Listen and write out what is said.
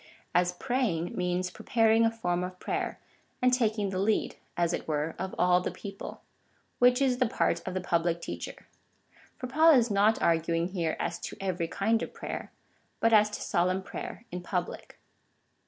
as 'praying means preparing a form of prayer, and taking the lead, as it were, of all the people — which is the part of the public teacher,^ for Paul is not arguing here as to every kind of prayer, but as to solemn prayer in public.